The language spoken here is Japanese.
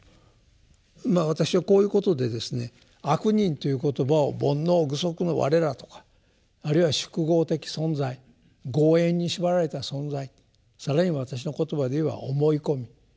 まあ私はこういうことでですね「悪人」という言葉を煩悩具足のわれらとかあるいは宿業的存在業縁に縛られた存在更に私の言葉で言えば思い込み。